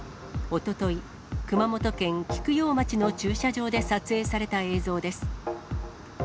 おととい、熊本県菊陽町の駐車場で撮影された映像です。